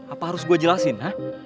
apa harus gue jelasin